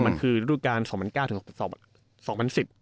มันคือรูปการณ์๒๐๐๙๒๐๑๐